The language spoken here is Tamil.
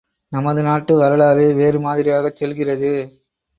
நமது நாட்டு வரலாறு வேறு மாதிரியாகச் செல்கிறது.